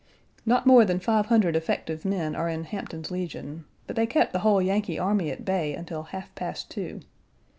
Not more than 500 effective men are in Hampton's Legion, but they kept the whole Yankee army at bay until half past two.